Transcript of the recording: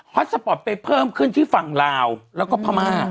ฮอตสปอตไปเพิ่มขึ้นที่ฝั่งลาวแล้วก็พมัติ